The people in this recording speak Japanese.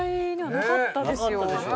なかったでしょ？